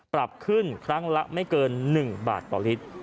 ปรับขึ้นครั้งละไม่เกิน๑บาทต่อลิตร